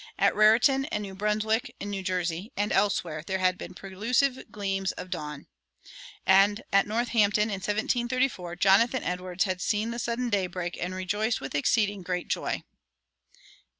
At Raritan and New Brunswick, in New Jersey, and elsewhere, there had been prelusive gleams of dawn. And at Northampton, in December, 1734, Jonathan Edwards had seen the sudden daybreak and rejoiced with exceeding great joy.